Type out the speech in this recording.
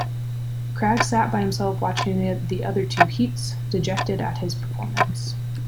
Cragg sat by himself watching the other two heats, dejected at his performance.